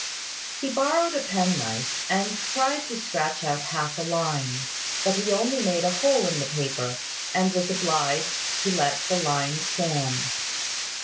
He borrowed a penknife, and tried to scratch out half a line; but he only made a hole in the paper, and was obliged to let the line stand.